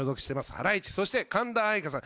ハライチそして神田愛花さん。